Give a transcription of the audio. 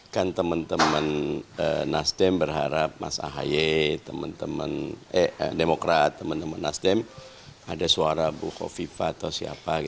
kan teman teman nasdem berharap mas ahaye teman teman demokrat teman teman nasdem ada suara buko viva atau siapa